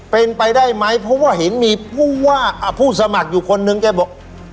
เป็นไปได้ไหมถึงเห็นมีผู้ผู้สมัครอยู่คนนึงแกบอก